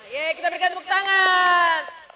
ya kita berikan tepuk tangan